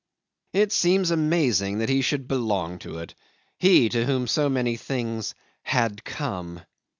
It seems amazing that he should belong to it, he to whom so many things "had come."